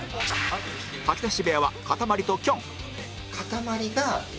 吐き出し部屋はかたまりときょん